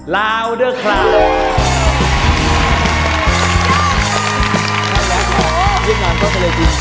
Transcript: ลาวเดอะครับ